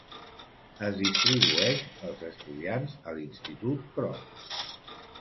Es distribueix els estudiants a l'Institut Krop.